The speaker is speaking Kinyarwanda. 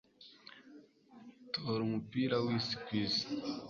tora umupira wisi kwisi